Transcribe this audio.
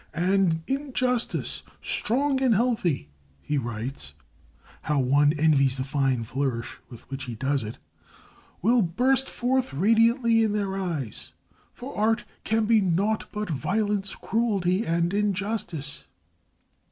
"And Injustice, strong and healthy," he writes, how one envies the fine flourish with which he does it! "will burst forth radiantly in their eyes. For art can be naught but violence, cruelty, and injustice."